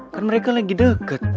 kan mereka lagi deket